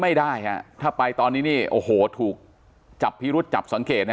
ไม่ได้ฮะถ้าไปตอนนี้นี่โอ้โหถูกจับพิรุษจับสังเกตนะ